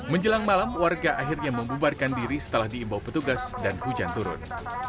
menjelang malam warga akhirnya membubarkan diri setelah diimbau petugas dan hujan turun